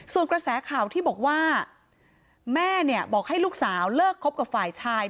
ส่วนกระแสข่าวที่บอกว่าแม่เนี่ยบอกให้ลูกสาวเลิกคบกับฝ่ายชาย